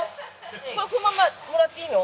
これこのままもらっていいの？